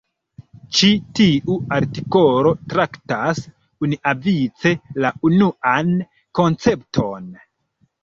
Ĉi tiu artikolo traktas unuavice la unuan koncepton.